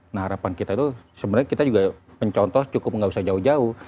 nah harapan kita itu sebenarnya kita juga pencontoh cukup gak bisa jauh jauh